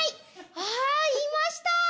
あぁいました。